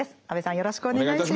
よろしくお願いします。